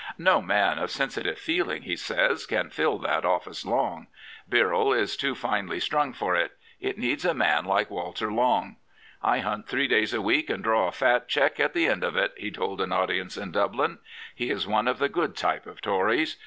''No man of sensitive feeling," he says, " can fill that ofl&ce long. Birrell is too finely strung for it. It needs a man like Walter Long. ' I hunt three days a week and draw a fat cheque at the end of it,' he told an audience in Dublin. He is one of the good type of Tories.